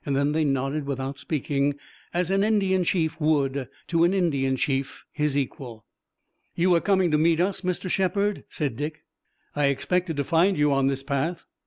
Then they nodded without speaking, as an Indian chief would to an Indian chief, his equal. "You were coming to meet us, Mr. Shepard?" said Dick. "I expected to find you on this path."